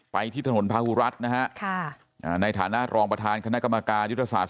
ที่ถนนพาหุรัฐนะฮะในฐานะรองประธานคณะกรรมการยุทธศาสต